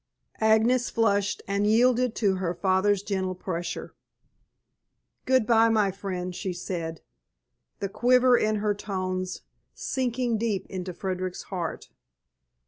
Agnes flushed and yielded to her father's gentle pressure. "Good bye, my friend," she said, the quiver in her tones sinking deep into Frederick's heart.